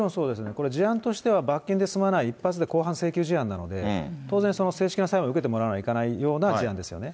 これ事案としては罰金で済まない、一発で公判請求事案なので、当然、正式な裁判を受けてもらわなきゃいけないような事案ですよね。